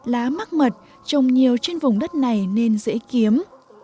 lá mắc mật trồng nhiều trên vùng đất này nên dễ kiếm